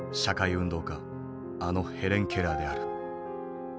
運動家あのヘレン・ケラーである。